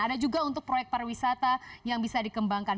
ada juga untuk proyek pariwisata yang bisa dikembangkan